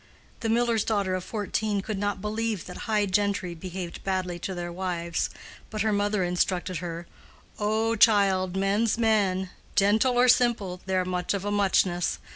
The miller's daughter of fourteen could not believe that high gentry behaved badly to their wives, but her mother instructed her—"Oh, child, men's men: gentle or simple, they're much of a muchness.